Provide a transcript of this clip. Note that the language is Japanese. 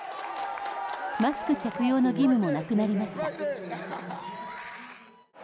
マスク着用の義務もなくなりました。